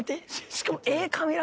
しかも。